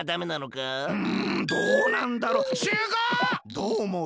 どうおもう？